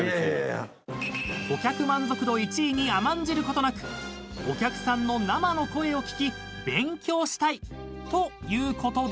［顧客満足度１位に甘んじることなくお客さんの生の声を聞き勉強したいということで］